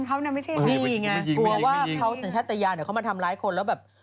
กลัวว่าเขาสัญชาติตะยาเดี๋ยวเขามาทำร้ายคนแล้วแบบ